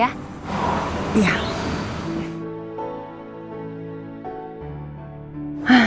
jadi tante gak usah cemas ya